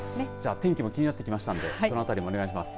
天気も気になってきましたのでそのあたりもお願いします。